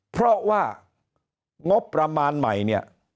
เพราะว่างบประมาณใหม่เนี่ย